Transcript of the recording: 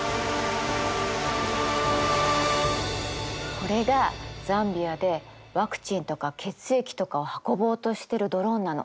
これがザンビアでワクチンとか血液とかを運ぼうとしてるドローンなの。